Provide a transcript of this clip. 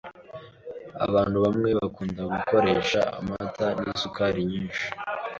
Abantu bamwe bakunda gukoresha amata n’isukari nyinshi